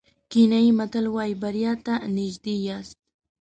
کینیايي متل وایي بریا ته نژدې یاست.